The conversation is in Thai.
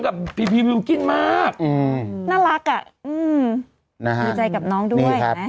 กับบิลกิ้นมากอืมน่ารักอ่ะอืมนะฮะดีใจกับน้องด้วยนี่ครับ